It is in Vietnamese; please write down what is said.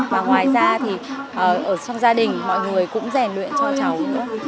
và ngoài ra thì ở trong gia đình mọi người cũng rèn luyện cho cháu nữa